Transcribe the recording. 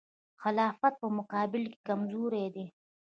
خلافت په مقابل کې کمزوری دی.